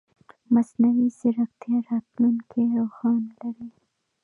مصنوعي ځیرکتیا راتلونکې روښانه لري.